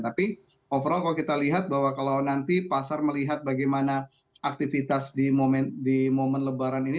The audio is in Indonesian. tapi overall kalau kita lihat bahwa kalau nanti pasar melihat bagaimana aktivitas di momen lebaran ini